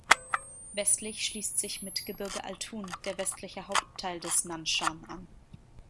Westlich schließt sich mit Gebirge Altun der westliche Hauptteil des "Nanshan" an.